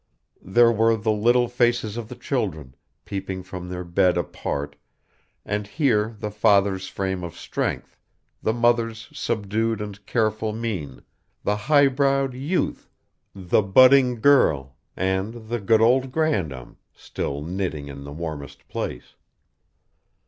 There were the little faces of the children, peeping from their bed apart, and here the father's frame of strength, the mother's subdued and careful mien, the high browed youth, the budding girl, and the good old grandam, still knitting in the warmest place.